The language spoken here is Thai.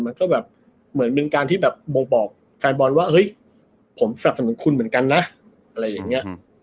มันก็เหมือนเป็นการที่บอกแฟนบอลว่าผมสนับสนุนคุณเหมือนกันนะ